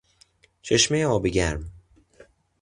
چشمهی آب گرم